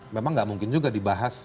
memang nggak mungkin juga dibahas